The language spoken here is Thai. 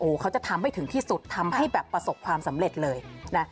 เขาจะทำให้ถึงที่สุดทำให้แบบประสบความสำเร็จเลยนะ